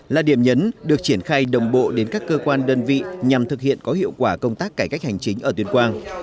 là điểm nhấn được triển khai đồng bộ đến các cơ quan đơn vị nhằm thực hiện có hiệu quả công tác cải cách hành chính ở tuyên quang